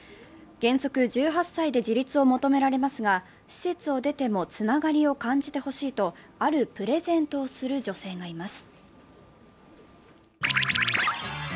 原則１８歳で自立を求められますが、施設を出ても、つながりを感じてほしいとあるプレゼントをする女性がいます。